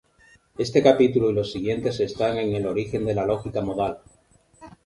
Este capítulo y los siguientes están en el origen de la lógica modal.